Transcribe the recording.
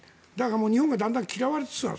日本がだんだん嫌われつつある。